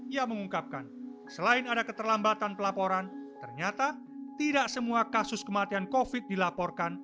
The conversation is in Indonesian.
ia mengungkapkan selain ada keterlambatan pelaporan ternyata tidak semua kasus kematian covid dilaporkan